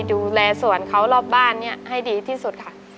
ดูแลสวนเขารอบบ้านให้ดีที่สุดค่ะ